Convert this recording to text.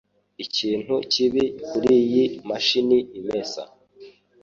Ikintu kibi kuriyi mashini imesa.